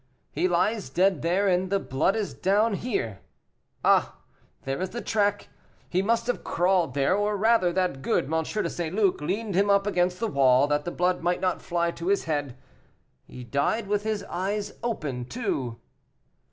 he lies dead there, and the blood is down here. Ah! there is the track; he must have crawled there, or rather that good M. de St. Luc leaned him up against the wall that the blood might not fly to his head. He died with his eyes open, too."